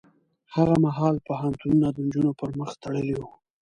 هغه مهال پوهنتونونه د نجونو پر مخ تړلي وو.